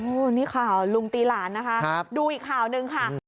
นี่ข่าวลุงตีหลานนะคะดูอีกข่าวหนึ่งค่ะ